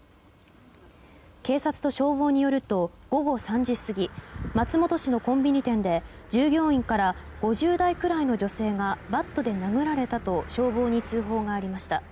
警察と消防によると午後３時過ぎ松本市のコンビニ店で従業員から５０代くらいの女性がバットで殴られたと消防に通報がありました。